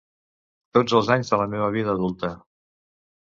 Tots els anys de la meva vida adulta.